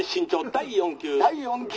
「第４球」。